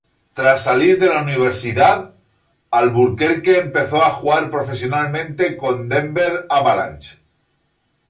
Tras salir de la universidad, Albuquerque empezó a jugar profesionalmente con Denver Avalanche.